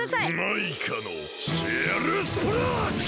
マイカのシェルスプラッシュ！